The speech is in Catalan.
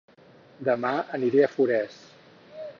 Dema aniré a Forès